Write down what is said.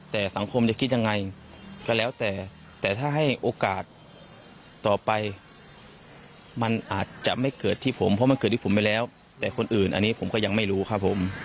แต่สังคมจะคิดยังไงก็แล้วแต่แต่ถ้าให้โอกาสต่อไปมันอาจจะไม่เกิดที่ผมเพราะมันเกิดที่ผมไปแล้วแต่คนอื่นอันนี้ผมก็ยังไม่รู้ครับผม